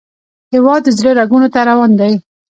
هیواد د زړه رګونو ته روان دی